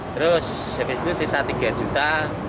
terus habis itu sisa tiga juta